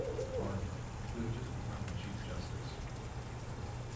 Barnhill, who had just become Chief Justice.